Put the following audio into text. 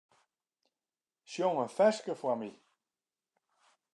Sjong in ferske foar my.